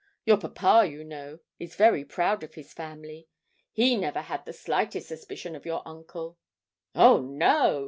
Your papa, you know, is very proud of his family he never had the slightest suspicion of your uncle.' 'Oh no!'